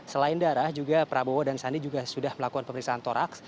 selain darah juga prabowo dan sandi juga sudah melakukan pemeriksaan toraks